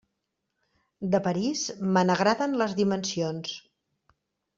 De París, me n'agraden les dimensions.